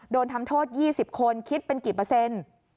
โดนทำโทษ๒๐คนคิดเป็นกี่เปอร์เซ็นต์